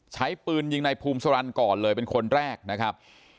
ใช้ปืนยิงในภูมิสรรค์ก่อนเลยเป็นคนแรกนะครับ